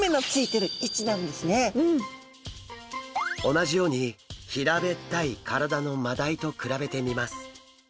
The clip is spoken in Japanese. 同じように平べったい体のマダイと比べてみます。